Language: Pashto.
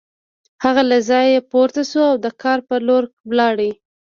هغه له ځایه پورته شو او د کار په لور لاړ